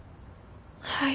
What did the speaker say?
はい。